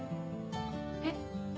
えっ？